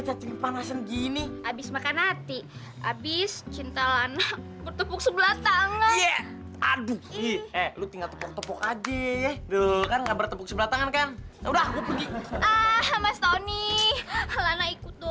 sampai jumpa di video selanjutnya